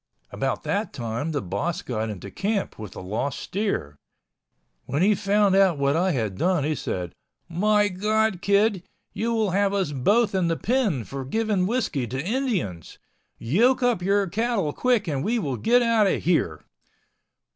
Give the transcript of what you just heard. About that time the boss got into camp with the lost steer. When he found out what I had done he said, "My God, kid, you will have us both in the pen for giving whiskey to Indians. Yoke up your cattle quick and we will get out of here."